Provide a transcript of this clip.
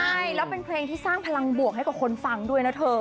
ใช่แล้วเป็นเพลงที่สร้างพลังบวกให้กับคนฟังด้วยนะเธอ